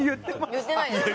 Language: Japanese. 言ってないです